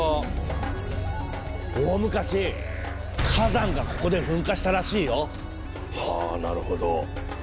大昔火山がここで噴火したらしいよ。はあなるほど。